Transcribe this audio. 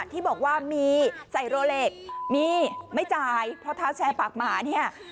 ที่บอกว่ามีใส่โรเล็กมีไม่จ่ายเพราะเท้าแชร์ปากหมาเนี่ย